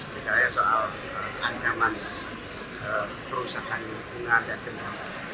misalnya soal ancaman perusahaan lingkungan dan tenaga